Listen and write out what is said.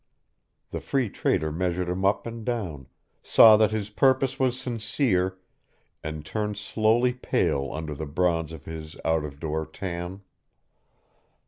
The Free Trader measured him up and down, saw that his purpose was sincere, and turned slowly pale under the bronze of his out of door tan.